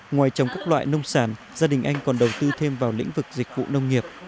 ngoài trồng các loại nông sản gia đình anh còn đầu tư thêm vào lĩnh vực dịch vụ nông nghiệp